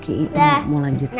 oke kita mau lanjutin